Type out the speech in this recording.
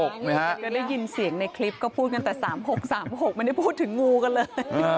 ก็ได้ยินเสียงก็พูดกันตั้งแต่๓๖๓๖ไม่ได้พูดถึงงูกันเลย